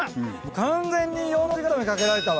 完全に四の字固めかけられたわ。